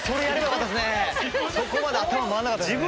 そこまで頭回らなかったですね。